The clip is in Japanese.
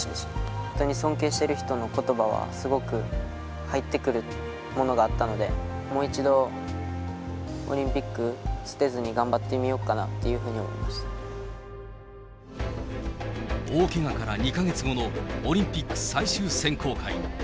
本当に尊敬している人のことばは、すごく入ってくるものがあったので、もう一度、オリンピック捨てずに頑張ってみようかなっていうふうに思いまし大けがから２か月後のオリンピック最終選考会。